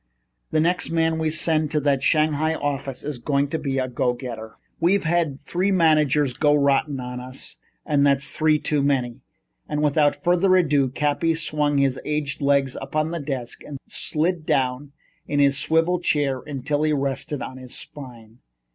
The next man we send out to that Shanghai office is going to be a go getter. We've had three managers go rotten on us and that's three too many." And without further ado, Cappy swung his aged legs up on to his desk and slid down in his swivel chair until he rested on his spine.